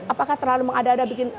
apakah terlalu mengada ada bikin